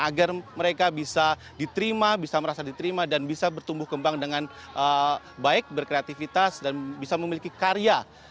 agar mereka bisa diterima bisa merasa diterima dan bisa bertumbuh kembang dengan baik berkreativitas dan bisa memiliki karya